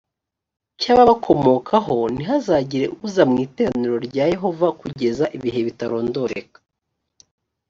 cy ababakomokaho ntihazagire uza mu iteraniro rya yehova kugeza ibihe bitarondoreka